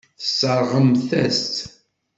Tesseṛɣemt-as-tt.